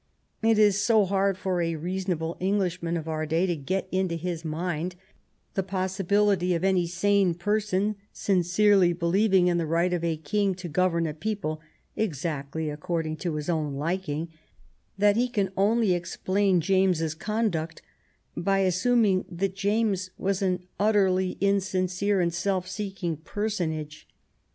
It is so hard for a reason able Englishman of our day to get into his mind the possibility of any sane person sincerely believing in the right of a king to govern a people exactly according to his own liking, that he can only explain James's con duct by assuming that James was an utterly insincere and self seeking personage.